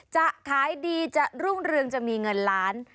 จะขายดีจะรุ่งเรืองจะมีเงินล้าน